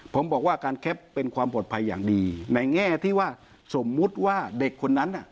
ผมบอกว่าการแคปเป็นความปลอดภัยอย่างดีในแง่ที่ว่าสมมุติว่าเด็กคนนั้นน่ะ